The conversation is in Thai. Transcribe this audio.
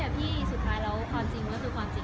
แต่พี่สุดท้ายแล้วความจริงก็คือความจริง